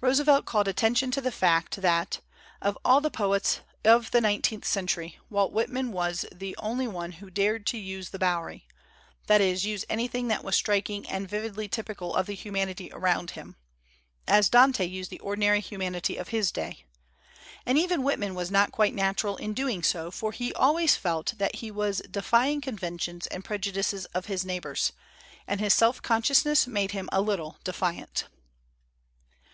Roosevelt called attention to the fact that "of all the poets of the nine teenth century, Walt Whitman was the only 244 THEODORE ROOSEVELT AS A MAN OF LETTERS one who dared to use the Bowery, that is, use anything that was striking and vividly typical of the humanity around him as Dante used the ordinary humanity of his day; and even Whit man was not quite natural in doing so, for he always felt that he was defying conventions and prejudices of his neighbors; and his self con sciousness made him a little defiant."